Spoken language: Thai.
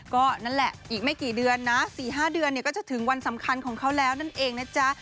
ก็นั่นแหละอีกไม่กี่เดือนนะ๔๕เดือนเนี่ยก็จะถึงวันสำคัญของเขาแล้วนั่นเองนะจ๊ะ